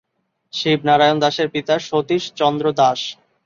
শিবনারায়ণ দাসের পিতা সতীশচন্দ্র দাশ।